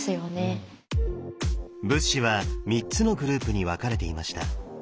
仏師は３つのグループに分かれていました。